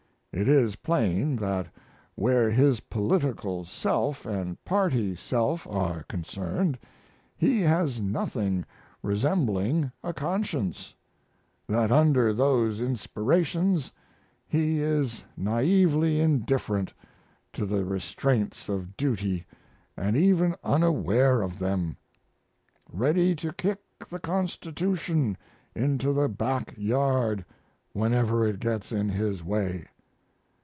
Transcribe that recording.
It is plain that where his political self & party self are concerned he has nothing resembling a conscience; that under those inspirations he is naively indifferent to the restraints of duty & even unaware of them; ready to kick the Constitution into the back yard whenever it gets in his way....